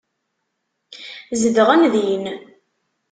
Zedɣen din.